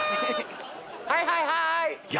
はいはいはい！